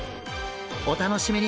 お楽しみに！